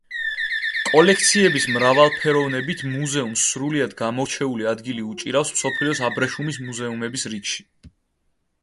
კოლექციების მრავალფეროვნებით მუზეუმს სრულიად გამორჩეული ადგილი უჭირავს მსოფლიოს აბრეშუმის მუზეუმების რიგში.